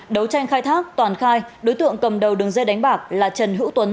đấu tranh khai thác toàn khai đối tượng cầm đầu đường dây đánh bạc là trần hữu tuấn